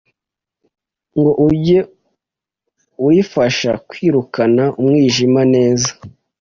ngo ujye urifasha kwirukana umwijima neza